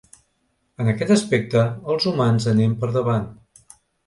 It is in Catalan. En aquest aspecte, els humans anem per davant.